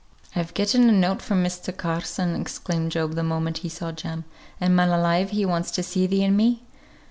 "I've getten a note from Mr. Carson," exclaimed Job the moment he saw Jem; "and man alive, he wants to see thee and me!